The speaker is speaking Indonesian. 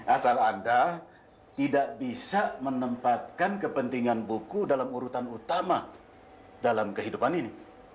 asal anda tidak bisa menempatkan kepentingan buku dalam urutan utama dalam kehidupan ini